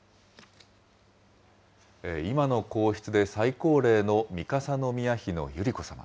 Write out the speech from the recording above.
今の皇室で最高齢の三笠宮妃の百合子さま。